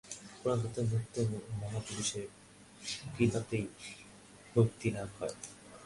প্রধানত মুক্ত মহাপুরুষের কৃপাতেই ভক্তিলাভ হয়।